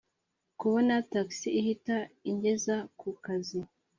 kubona taxi ihita ingeza ku kazi.”